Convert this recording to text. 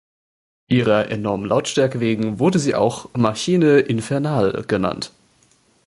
Ihrer enormen Lautstärke wegen wurde sie auch "machine infernale" genannt.